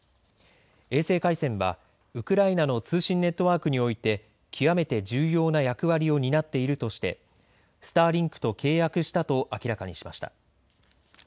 衛星回線はウクライナの通信ネットワークにおいて極めて重要な役割を担っているとしてスターリンクと契約したと明らかにしました。